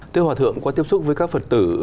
thưa hòa thượng qua tiếp xúc với các phật tử